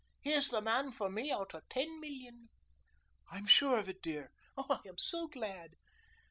He's the man for me out of ten million." "I'm sure of it, dear. Oh, I am so glad."